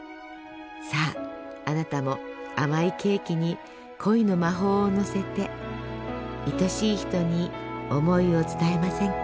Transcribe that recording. さああなたも甘いケーキに恋の魔法をのせて愛しい人に思いを伝えませんか？